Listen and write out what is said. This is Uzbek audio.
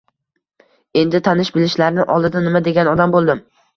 Endi tanish-bilishlarni oldida nima degan odam bo`ldim